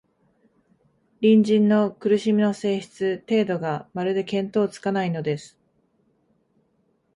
隣人の苦しみの性質、程度が、まるで見当つかないのです